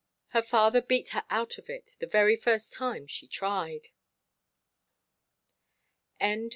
Her father beat her out of it the very first time she tried.